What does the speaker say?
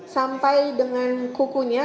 sampai dengan kukunya